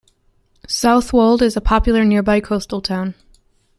Southwold is a popular, nearby coastal town.